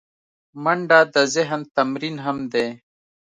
منډه د ذهن تمرین هم دی